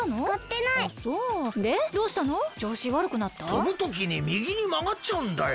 とぶときにみぎにまがっちゃうんだよ。